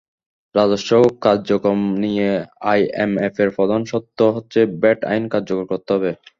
রাজস্ব কার্যক্রম নিয়ে আইএমএফের প্রধান শর্ত হচ্ছে, ভ্যাট আইন কার্যকর করতে হবে।